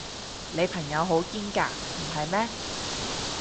你朋友好堅㗎，唔係咩？